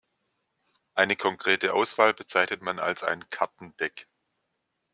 Eine konkrete Auswahl bezeichnet man als ein Kartendeck.